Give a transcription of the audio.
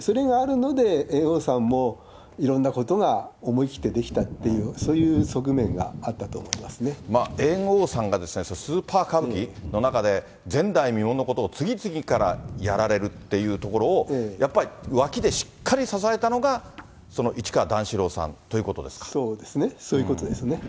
それがあるので、猿翁さんもいろんなことが思い切ってできたっていう、そういう側猿翁さんがですね、スーパー歌舞伎の中で、前代未聞のことを次々からやられるっていうところを、やっぱり脇でしっかり支えたのが、その市川段四郎さんということでそうですね、そういうことですね。